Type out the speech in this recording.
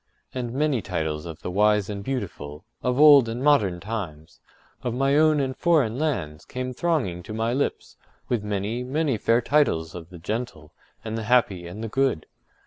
And many titles of the wise and beautiful, of old and modern times, of my own and foreign lands, came thronging to my lips, with many, many fair titles of the gentle, and the happy, and the good.